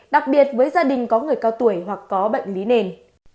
đặc biệt với gia đình có người cao tuổi hoặc có bệnh lý nền